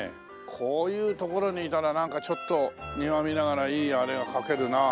こういう所にいたらなんかちょっと庭見ながらいいあれが書けるなあ。